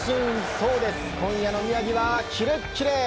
そうです今夜の宮城はキレッキレ！